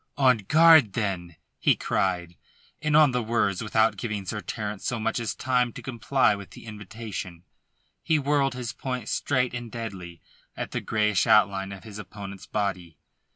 "On guard, then," he cried, and on the words, without giving Sir Terence so much as time to comply with the invitation, he whirled his point straight and deadly at the greyish outline of his opponent's body.